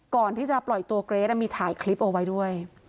ก่อนที่จะปล่อยตัวเกรทมีถ่ายคลิปเอาไว้ด้วย